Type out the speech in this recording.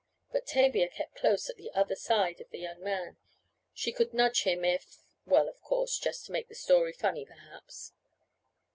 But Tavia kept close at the other side of the young man she could nudge him if well, of course, just to make the story funny perhaps!